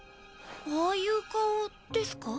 ああいう顔ですか？